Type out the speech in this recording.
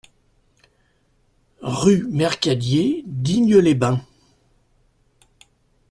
Rue Mercadier, Digne-les-Bains